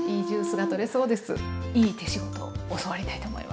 いい手仕事教わりたいと思います。